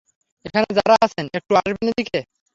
এখানে যারা আছেন, একটু আসবেন এদিকে?